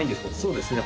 そうですね。